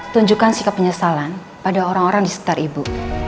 tunjukkan sikap penyesalan pada orang orang di sekitar ibu